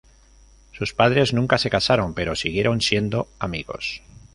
Sus padres nunca se casaron pero siguieron siendo amigos.